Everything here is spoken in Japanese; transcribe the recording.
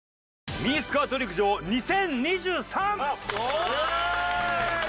ミニスカート陸上２０２３！